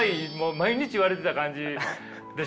毎日言われてた感じでしょ？